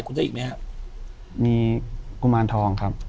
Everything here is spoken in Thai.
อยู่ที่แม่ศรีวิรัยิลครับ